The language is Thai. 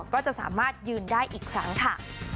ก็จะสามารถยืนได้อีกครั้งค่ะ